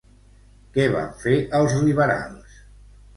Què van fer els liberals?